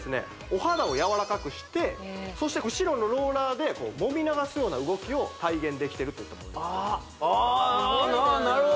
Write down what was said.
お肌をやわらかくしてそして後ろのローラーでこうもみ流すような動きを体現できてるとそうです